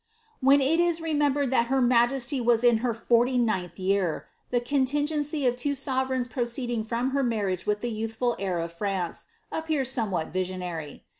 When ii is remembered that her na r was in her forty ninth yesr. the coniingency of two sov'>'~ :oding from her marriage with the youthful heir of France, what visionary.